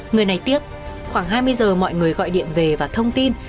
người này tiếc khoảng hai mươi giờ mọi người gọi điện về và thông tin